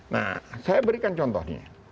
nah saya berikan contoh nih